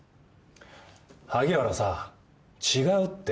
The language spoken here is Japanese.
萩原さ違うって。